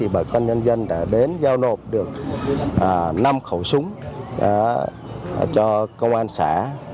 bà con nhân dân đã đến giao nộp được năm khẩu súng cho công an xã